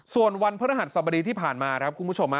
ส่วนวันพระรหัสสบดีที่ผ่านมาครับคุณผู้ชม